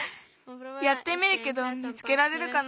やってみるけど見つけられるかなあ。